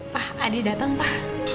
pak adi datang pak